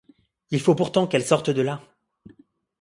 Il faut pourtant qu'elle sorte de là!